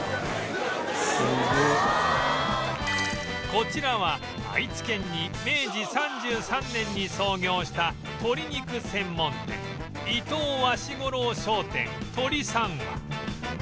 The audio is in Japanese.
こちらは愛知県に明治３３年に創業した鶏肉専門店伊藤和四五郎商店鶏三和